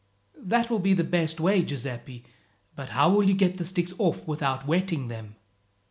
"That will be the best way, Giuseppi; but how will you get the sticks off without wetting them?"